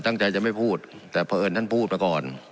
ตั้งใจจะไม่พูดแต่เพราะเอิญท่านพูดมาก่อน